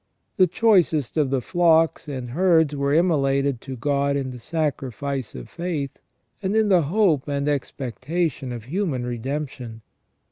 The choicest of the flocks and herds were immolated to God in the sacrifice of faith, and in the hope and expectation of human re demption.